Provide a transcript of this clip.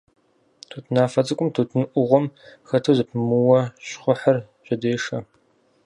Тутынафэ цӀыхум тутын Ӏугъуэм хэту зэпымыууэ щхъухьыр жьэдешэ.